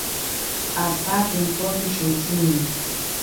Apa pimpoke shintsini.